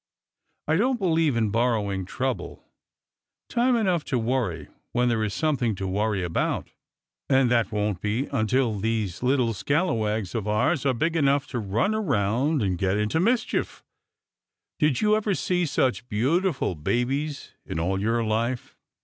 "I don't believe in borrowing trouble. Time enough to worry when there is something to worry about, and that won't be until these little scallawags of ours are big enough to run around and get into mischief. Did you ever see such beautiful babies in all your life?"